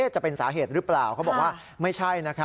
จะเป็นสาเหตุหรือเปล่าเขาบอกว่าไม่ใช่